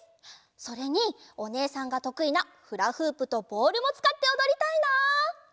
それにおねえさんがとくいなフラフープとボールもつかっておどりたいな！